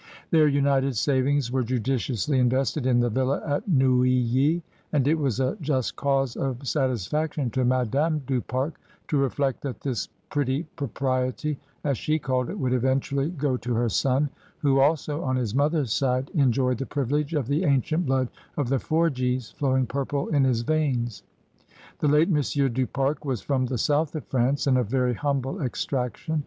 Their united savings were judiciously invested in the villa at Neuilly, and it was a just cause of satis faction to Madame du Pare to reflect that this "pretty propriety," as she called it, would eventually go to her son, who also, on his mother's side, en joyed the privilege of the ancient blood of the Forgies flowing purple in his veins. The late Monsieur du Pare was from the South of France and of very humble extraction.